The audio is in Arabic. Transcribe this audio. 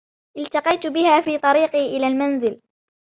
التقيت بها في طريقي إلی المنزل